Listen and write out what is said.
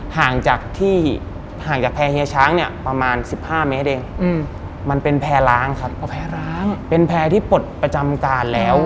ห่างจากแพร่เฮียช้างประมาณ๑๕เมตรมันเป็นแพร่ร้างเป็นแพร่ที่ปลดประจำการแล้ว